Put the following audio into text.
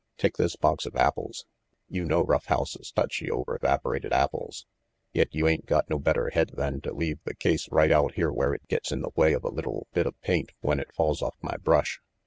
Take this box of apples. You know Rough House's touchy over ' vapor ated apples, yet you ain't got no better head than to leave the case right out here where it gets in the way of a little bit of paint when it falls off my brush.